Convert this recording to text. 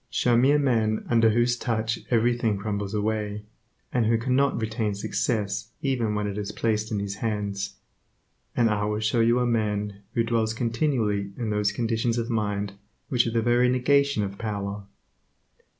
Show me a man under whose touch everything crumbles away, and who cannot retain success even when it is placed in his hands, and I will show you a man who dwells continually in those conditions of mind which are the very negation of power.